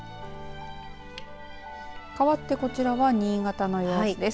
かわってこちらは新潟の様子です。